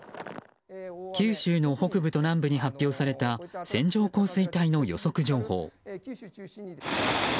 九州の北部と南部に発表された線状降水帯の予測情報。